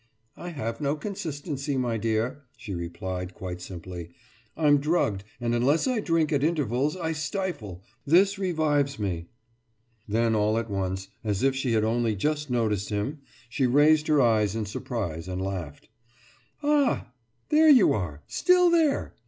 « »I have no consistency, my dear,« she replied, quite simply. »I'm drugged, and unless I drink at intervals I stifle ... This revives me.« Then all at once, as if she had only just noticed him, she raised her eyes in surprise, and laughed. »Ah! There you are still there!